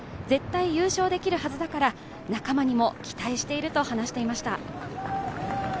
絶対優勝できるはずだから仲間にも期待していると話しました。